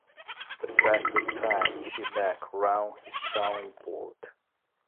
The fastest time in each round is shown in bold.